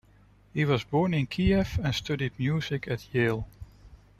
He was born in Kiev, and studied music at Yale.